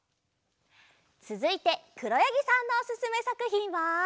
つづいてくろやぎさんのおすすめさくひんは。